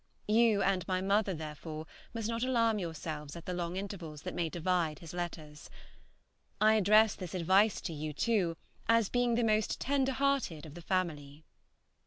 You and my mother, therefore, must not alarm yourselves at the long intervals that may divide his letters. I address this advice to you two as being the most tender hearted of the family.